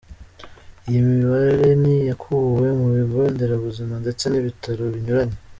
Iyi mibare ni iyakuwe mu bigo nderabuzima ndetse n’ibitaro binyuranye.